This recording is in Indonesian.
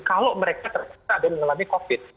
kalau mereka terpaksa ada yang mengalami covid